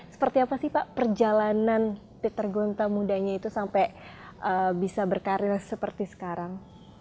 seperti apa sih pak perjalanan peter gonta mudanya itu sampai bisa berkarir seperti sekarang